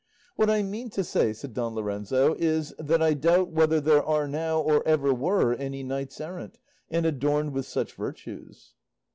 "What I mean to say," said Don Lorenzo, "is, that I doubt whether there are now, or ever were, any knights errant, and adorned with such virtues."